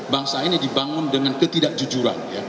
bangsa ini dibangun dengan ketidakjujuran